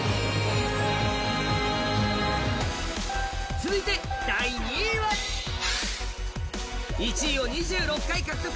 続いて第２位は１位を２６回獲得。